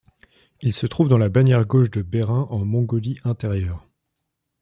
Ils se trouvent dans la bannière gauche de Bairin en Mongolie-Intérieure.